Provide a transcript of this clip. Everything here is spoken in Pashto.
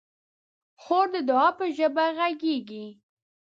خور د دعا په ژبه غږېږي.